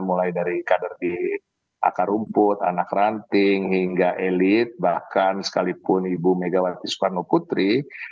mulai dari kader di akar rumput anak ranting hingga elit bahkan sekalipun ibu megawati soekarno putri